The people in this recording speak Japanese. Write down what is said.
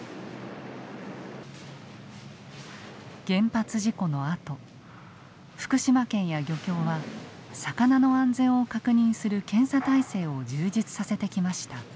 原発事故のあと福島県や漁協は魚の安全を確認する検査体制を充実させてきました。